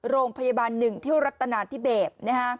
โรงพยาบาลหนึ่งที่รัฐนาทิเบต